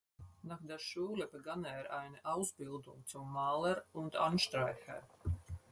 Nach der Schule begann er eine Ausbildung zum Maler und Anstreicher.